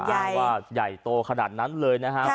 ว่าใหญ่โตขนาดนั้นเลยนะครับ